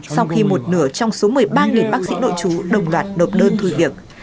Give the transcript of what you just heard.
sau khi một nửa trong số một mươi ba bác sĩ nội chú đồng loạt nộp đơn thôi việc